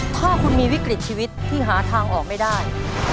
ถ้าคุณมีวิกฤตชีวิตที่หาทางออกไม่ได้